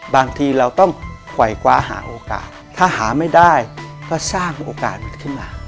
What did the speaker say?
บางทีเราต้องปล่อยคว้าหาโอกาสถ้าหาไม่ได้ก็สร้างโอกาสขึ้นมา